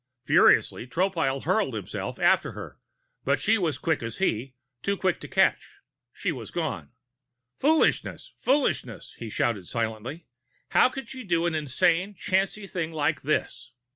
Furiously, Tropile hurled himself after her, but she was quick as he, too quick to catch; she was gone. Foolishness, foolishness! he shouted silently. How could she do an insane, chancy thing like this?